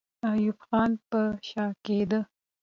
ایوب خان پر شا کېده.